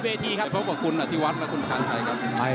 เดี๋ยวพบกับคุณที่วัดและคุณขาดไทยครับ